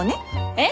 えっ？